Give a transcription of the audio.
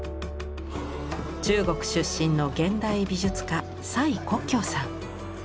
中国出身の現代美術家蔡國強さん。